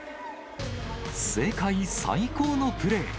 世界最高のプレー。